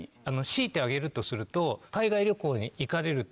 強いて挙げるとすると。